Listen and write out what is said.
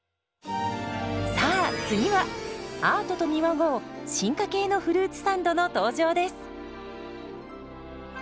さあ次はアートと見まごう進化系のフルーツサンドの登場です。